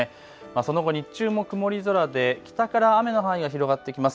その後、日中も曇り空で北から雨の範囲が広がってきます。